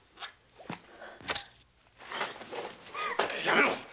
やめろ！